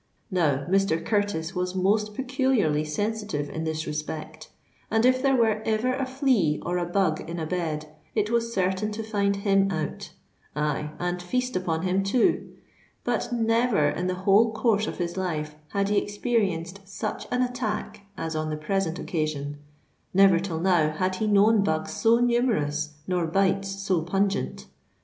Now, Mr. Curtis was most peculiarly sensitive in this respect; and if there were ever a flea or a bug in a bed, it was certain to find him out—aye, and feast upon him too. But never, in the whole course of his life, had he experienced such an attack as on the present occasion: never till now had he known bugs so numerous, nor bites so pungent.